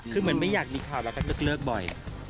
คือเหมือนไม่อยากมีข่าวแล้วก็เลิกบ่อย